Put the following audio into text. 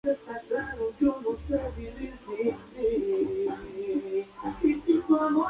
En este torneo sólo pudo jugar un encuentro, ante Costa Rica.